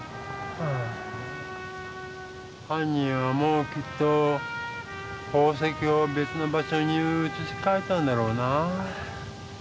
はん人はもうきっと宝石をべつの場所にうつしかえたんだろうな。